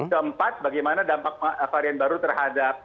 keempat bagaimana dampak varian baru terhadap